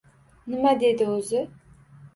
Nima dedi o`zi